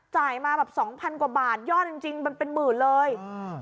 จ่ายมาแบบสองพันกว่าบาทยอดจริงมันเป็นหมื่นเลยอ่า